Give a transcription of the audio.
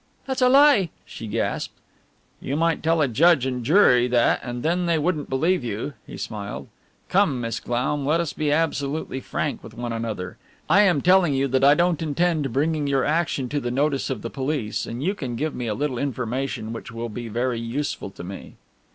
"That's a lie!" she gasped. "You might tell a judge and jury that and then they wouldn't believe you," he smiled. "Come, Miss Glaum, let us be absolutely frank with one another. I am telling you that I don't intend bringing your action to the notice of the police, and you can give me a little information which will be very useful to me."